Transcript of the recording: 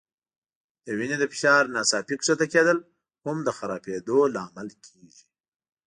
د وینې د فشار ناڅاپي ښکته کېدل هم د خرابېدو لامل کېږي.